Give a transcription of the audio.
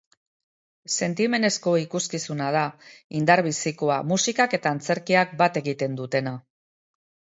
Sentimenezko ikuskizuna da, indar-bizikoa, musikak eta antzerkiak bat egiten dutena.